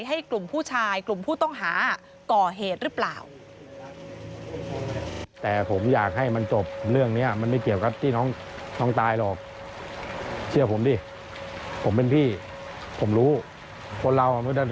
ให้กลุ่มผู้ชายกลุ่มผู้ต้องหาก่อเหตุหรือเปล่า